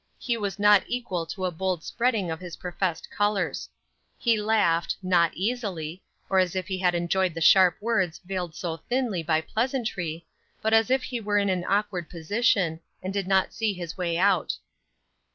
He was not equal to a bold spreading of his professed colors. He laughed, not easily, or as if he enjoyed the sharp words veiled so thinly by pleasantry, but as if he were in an awkward position, and did not see his way out.